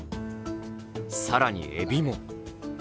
さらにエビも。